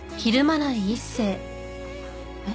えっ？